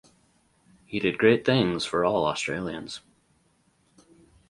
He did great things for all Australians.